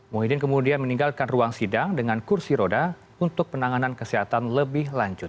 muhyiddin kemudian meninggalkan ruang sidang dengan kursi roda untuk penanganan kesehatan lebih lanjut